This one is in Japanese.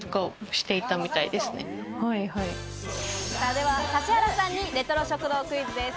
では指原さんにレトロ食堂クイズです。